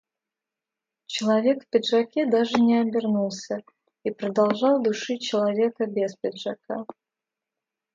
Человек в пиджаке даже не обернулся и продолжал душить человека без пиджака.